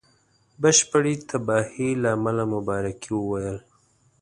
بشپړي تباهی له امله مبارکي وویله.